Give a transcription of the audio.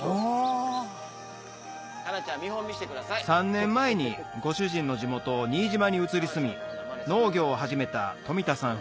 ３年前にご主人の地元新島に移り住み農業を始めた富田さん